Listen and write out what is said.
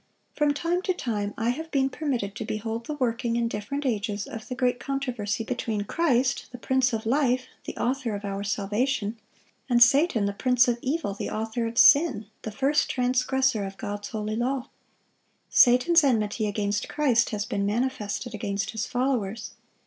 From time to time I have been permitted to behold the working, in different ages, of the great controversy between Christ, the Prince of life, the Author of our salvation, and Satan, the prince of evil, the author of sin, the first transgressor of God's holy law. Satan's enmity against Christ has been manifested against His followers.